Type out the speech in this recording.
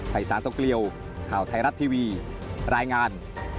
ไพรศาสตร์สังเกลียวท่าวไทยรัฐทีวีรายงาน